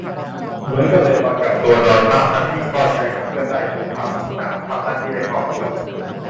เหมือนกันเลย ตอนกักตัว นอยมาก ทั้งที่ก็แชตกับเพื่อนได้ ดูข่าว ดูหนัง ทำนั่นนี่ได้พอควร